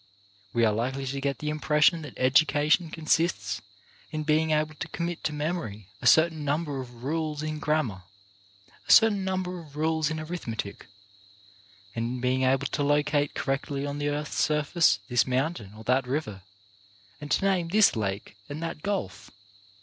We are likely to get the impression that education consists in being able hi Ti 2 CHARACTER BUILDING to commit to memory a certain number of rules in grammar, a certain number of rules in arithme tic, and in being able to locate correctly on the earth's surface this mountain or that river, and to name this lake and that gulf.